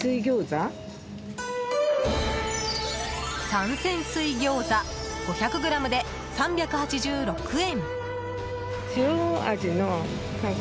三鮮水餃子５００ｇで３８６円。